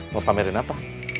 mau pamerin apa